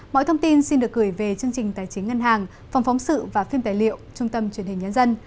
mọi thông tin xin được gửi về chương trình tài chính ngân hàng phòng phóng sự và phim tài liệu trung tâm truyền hình nhân dân